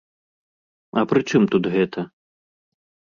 А пры чым тут гэта?